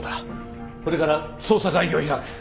これから捜査会議を開く。